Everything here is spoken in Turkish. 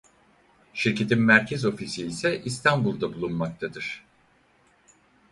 Şirketin merkez ofisi ise İstanbul'da bulunmaktadır.